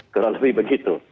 kurang lebih begitu